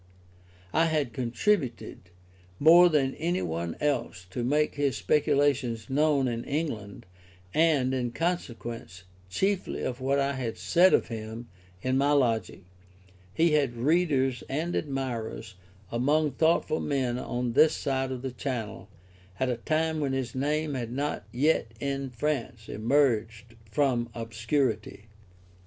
I had contributed more than any one else to make his speculations known in England, and, in consequence chiefly of what I had said of him in my Logic, he had readers and admirers among thoughtful men on this side of the Channel at a time when his name had not yet in France emerged from obscurity.